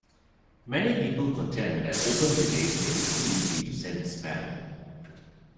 Many people contend that open relays make it too easy to send spam.